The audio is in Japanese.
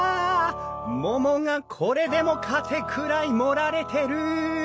桃がこれでもかってくらい盛られてる！